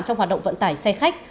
trong hoạt động vận tải xe khách